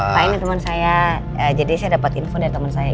pak ini teman saya jadi saya dapat info dari teman saya